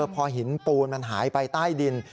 พอหินปูนมันหายไปใต้ดิน